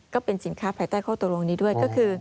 ก็เป็นสินค้าภายใต้ข้อตกลงนี้ด้วยก็คือ